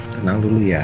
tenang dulu ya